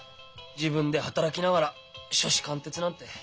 自分で働きながら初志貫徹なんて。